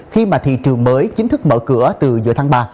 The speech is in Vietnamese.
khi mà thị trường mới chính thức mở cửa từ giữa tháng ba